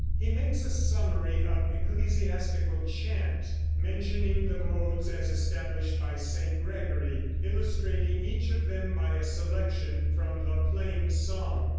He makes a summary of ecclesiastical chant, mentioning the modes as established by St. Gregory, illustrating each of them by a selection from the "Plain Song."